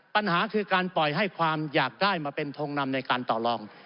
ปัญหาคือการปล่อยให้ความอยากได้มาเป็นทงนำในการต่อรอง